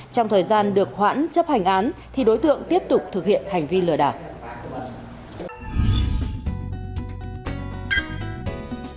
trong thời gian được hoãn chấp hành án thì đối tượng tiếp tục thực hiện hành vi lừa đảo